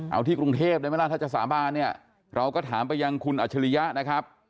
เอาที่กรุงเทพได้ไหมล่ะถ้าจะสาบานเนี่ยเราก็ถามไปยังคุณอัชริยะนะครับ